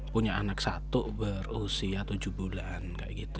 punya anak satu berusia tujuh bulan kayak gitu